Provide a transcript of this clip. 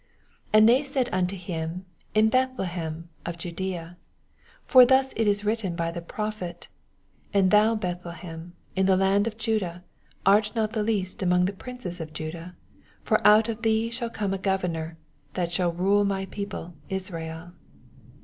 5 And they said unto him, In Bethlehem of Judsea ; for thus it is written b> ttie prophet, 6 And th "I Bethlehem, in the land of Juda, art not the least among the princes of Juda : for out of thee shall come a Governor, that shall rule my people Israel.